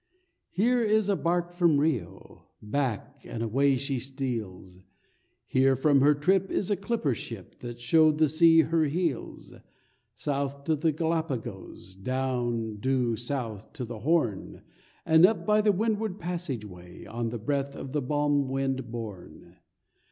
_ Here is a bark from Rio, Back—and away she steals! Here, from her trip, is a clipper ship That showed the sea her heels— South to the Gallapagos, Down, due south, to the Horn, And up, by the Windward Passage way, On the breath of the balm wind borne.